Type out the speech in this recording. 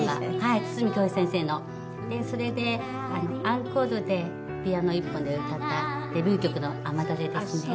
でそれでアンコールでピアノ１本で歌ったデビュー曲の『雨だれ』ですね。